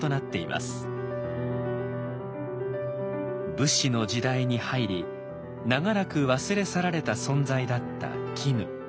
武士の時代に入り長らく忘れ去られた存在だった絹。